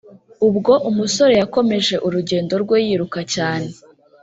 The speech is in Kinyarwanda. ubwo umusore yakomeje urugendo rwe yiruka cyane